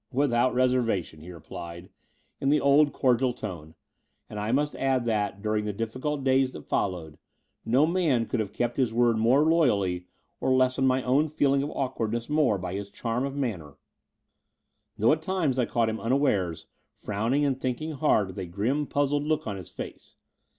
Without reservation," he replied in the old cordial tone: and I must add that, during the difficult days that followed, no man could have kept his word more loyally or lessened my own feeling of awkwardness more by his charm of manner, though at times I caught him unawares, frowning and thinking hard with a grim puzzled look on his face.